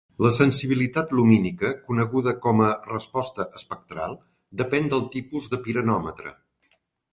La sensibilitat lumínica, coneguda com a "resposta espectral", depèn del tipus de piranòmetre.